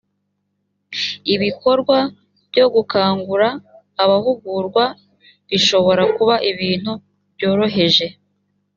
ibikorwa byo gukangura abahugurwa bishobora kuba ibintu byoroheje